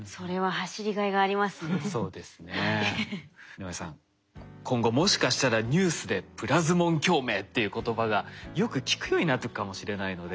井上さん今後もしかしたらニュースで「プラズモン共鳴」っていう言葉がよく聞くようになるかもしれないので。